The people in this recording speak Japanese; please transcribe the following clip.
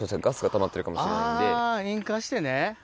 あ引火してね。